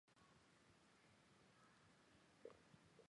浦井唯行成员。